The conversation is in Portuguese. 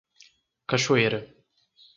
Cachoeira